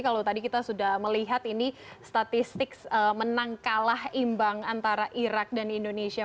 kalau tadi kita sudah melihat ini statistik menang kalah imbang antara irak dan indonesia